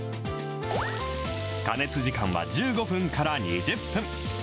加熱時間は１５分から２０分。